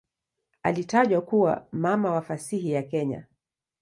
Alitajwa kuwa "mama wa fasihi ya Kenya".